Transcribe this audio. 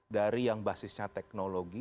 dari yang basisnya teknologi